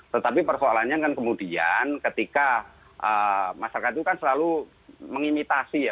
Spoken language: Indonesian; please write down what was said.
tetapi persoalannya kan kemudian ketika masyarakat itu kan selalu mengimitasi ya